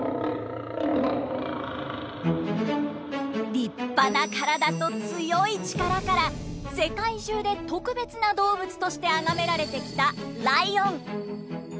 立派な体と強い力から世界中で特別な動物としてあがめられてきたライオン。